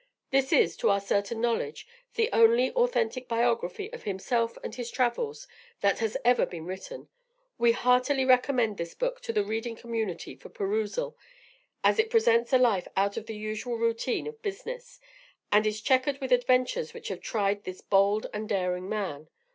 This is, to our certain knowledge, the only authentic biography of himself and his travels that has ever been written. We heartily recommend THIS BOOK to the reading community for perusal, as it presents a life out of the usual routine of business, and is checkered with adventures which have tried this bold and daring man.